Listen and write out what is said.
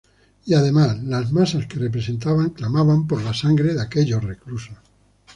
Y además, las masas que representaban clamaban por la sangre de aquellos reclusos.